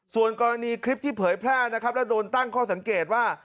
ส่วนกรณีคลิปที่เผยแพร่นะครับแล้วโดนตั้งข้อสังเกตว่า